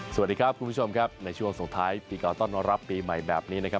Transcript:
สวัสดีครับคุณผู้ชมครับในช่วงส่งท้ายปีเก่าต้อนรับปีใหม่แบบนี้นะครับ